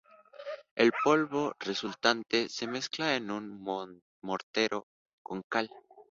El polvo resultante se mezcla en un mortero con cal.